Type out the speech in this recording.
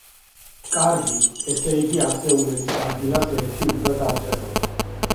კარგი, ესე იგი, ასეულების ადგილას ერთი უნდა დავწეროთ.